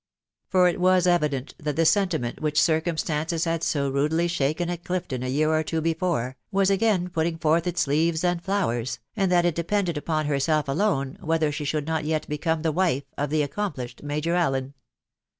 For it was evident that the sentiment which circuinstances had so rudely shaken at Clifton a year or two before, was again putting forth its leaves and flowers, and that it depended upon herself alone whether she should not yet become the wife of the accomplished Major Allen.